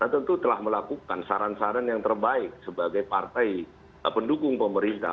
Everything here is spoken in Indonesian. tentu telah melakukan saran saran yang terbaik sebagai partai pendukung pemerintah